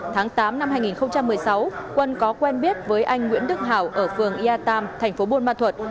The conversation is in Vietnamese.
tháng tám năm hai nghìn một mươi sáu quân có quen biết với anh nguyễn đức hảo ở phường ea tam thành phố buôn ma thuật